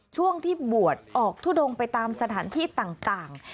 ช่วงที่บวชออกทุดงไปตามสถานที่ต่าง